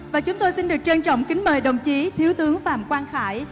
và chúng tôi xin được trân trọng kính mời đồng chí thiếu tướng phạm quang khải